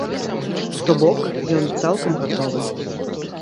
То бок ён цалкам гатовы!